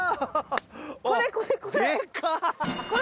これこれこれ。